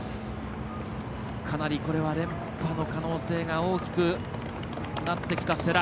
かなり、連覇の可能性が大きくなってきた、世羅。